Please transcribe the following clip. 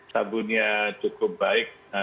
sabunnya cukup baik ya